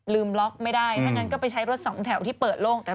ล็อกไม่ได้ถ้างั้นก็ไปใช้รถสองแถวที่เปิดโล่ง